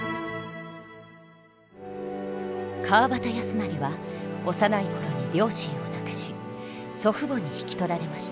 川端康成は幼い頃に両親を亡くし祖父母に引き取られました。